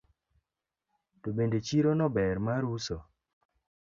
To bende chirono ber mar uso.